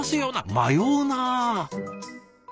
迷うな。